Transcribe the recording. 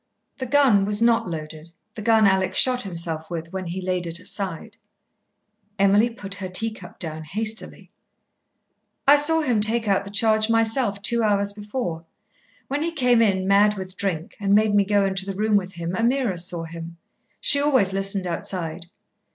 The gun was not loaded, the gun Alec shot himself with, when he laid it aside." Emily put down her tea cup hastily. "I saw him take out the charge myself two hours before. When he came in, mad with drink, and made me go into the room with him, Ameerah saw him. She always listened outside.